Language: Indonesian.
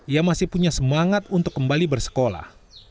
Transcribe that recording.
ia masih punya semangat untuk kembali bersekolah